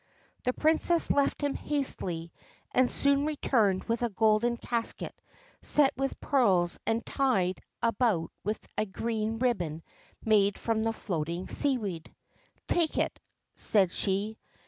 The Princess left him hastily and soon returned with a golden casket, set with pearls and tied about with a green ribbon made from the floating seaweed. ' Take it,' said she.